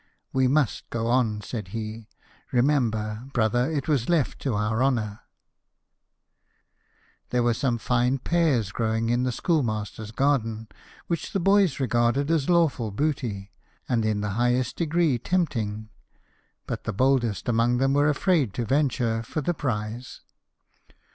" We must go on," said he ;" remember, brother, it was left to our honour 1 " There were some fine pears growing in the schoolmaster's garden, which the boys regarded as lawful booty, and in the highest degree tempting : but the boldest among them were afraid to venture for the prize.